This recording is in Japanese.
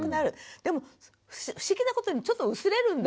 でも不思議なことにちょっと薄れるんだよね。